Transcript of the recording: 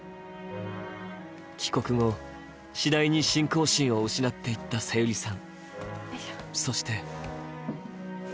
帰国後、次第に信仰心を失っていったさゆりさん。